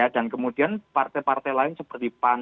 dan kemudian partai partai lain seperti pan